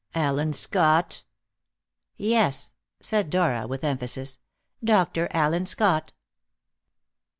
"Allen Scott?" "Yes," said Dora with emphasis, "Dr. Allen Scott.